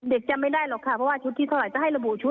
จำไม่ได้หรอกค่ะเพราะว่าชุดที่เท่าไหร่ก็ให้ระบุชุด